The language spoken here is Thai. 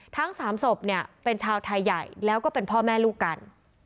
ทั้ง๓ศพเนี่ยเป็นชาวไทยใหญ่แล้วก็เป็นพ่อแม่ลูกกัน